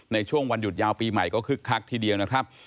ในช่วงวันหยุดยาวปีใหม่ก็คึกคักทีเดียวนะครับ